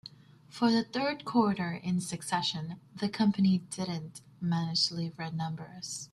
For the third quarter in succession, the company didn't manage to leave red numbers.